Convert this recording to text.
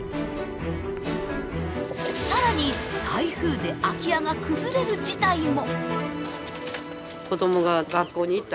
更に台風で空き家が崩れる事態も。